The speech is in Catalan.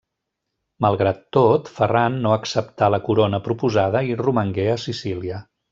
Malgrat tot, Ferran no acceptà la Corona proposada i romangué a Sicília.